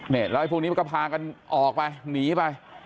เห็นไล่ฟุกนี้มันก็พากันออกไปหนีไป